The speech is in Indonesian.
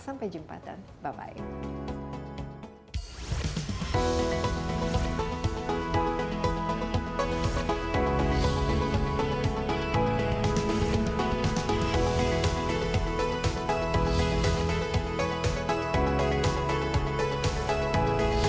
sampai jumpa dan bye bye